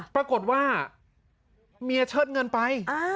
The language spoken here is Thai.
ปรากฏว่าเมียเชิดเงินไป